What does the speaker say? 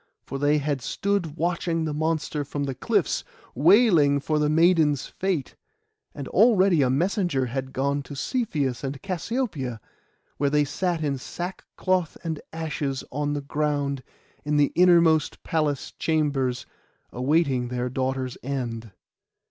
For they had stood watching the monster from the cliffs, wailing for the maiden's fate. And already a messenger had gone to Cepheus and Cassiopoeia, where they sat in sackcloth and ashes on the ground, in the innermost palace chambers, awaiting their daughter's end.